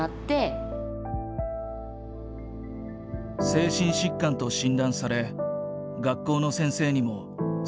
精神疾患と診断され学校の先生にも救いを求めた。